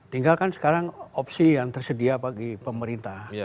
tinggalkan sekarang opsi yang tersedia bagi pemerintah